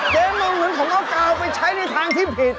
เมาเหมือนของเอากาวไปใช้ในทางที่ผิด